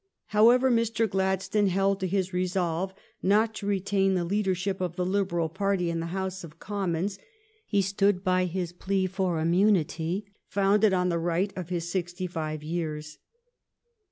However, Mr. Gladstone held to his resolve not to retain the leadership of the Liberal party in the House of Commons. He stood by his plea for immunity founded on the right of his sixty five years.